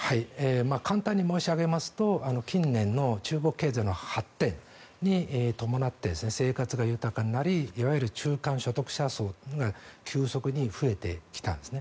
簡単に申し上げますと近年の中国経済の発展に伴い生活が豊かになりいわゆる中間所得者層が急速に増えてきたんです。